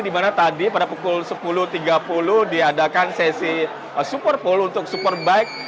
di mana tadi pada pukul sepuluh tiga puluh diadakan sesi super pool untuk superbike